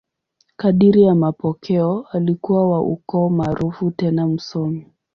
Kadiri ya mapokeo, alikuwa wa ukoo maarufu tena msomi.